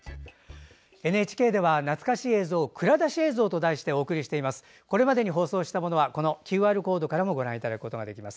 ＮＨＫでは、懐かしい映像を蔵出し映像と題してお送りしています。